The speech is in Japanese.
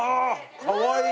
かわいい。